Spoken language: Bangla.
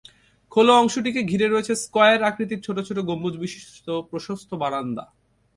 খোলা অংশটিকে ঘিরে রয়েছে স্কয়ার আকৃতির ছোট ছোট গম্বুজবিশিষ্ট প্রশস্ত বারান্দা।